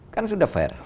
kan sudah fair